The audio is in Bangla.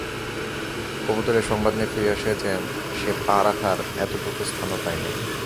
কবুতর এ সংবাদ নিয়ে ফিরে আসে যে, সে পা রাখার এতটুকু স্থানও পায়নি।